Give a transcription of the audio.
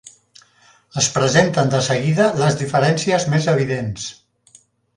Es presenten de seguida les diferències més evidents.